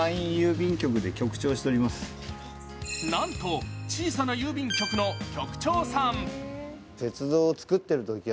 なんと小さな郵便局の局長さん。